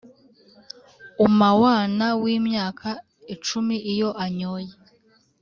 Umawana wimyaka icumi iyo anyoye